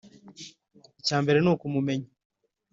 Icya mbere ni ukubumenya